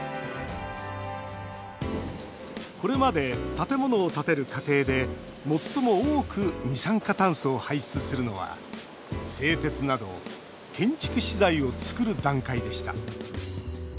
これまで建物を建てる過程で最も多く二酸化炭素を排出するのは製鉄など建築資材をつくる段階でした。